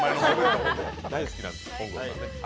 大好きなんです。